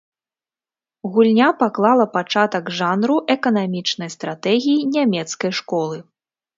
Гульня паклала пачатак жанру эканамічнай стратэгіі нямецкай школы.